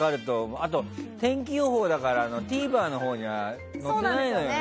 あとは天気予報だからＴＶｅｒのほうでは載っていないのよね。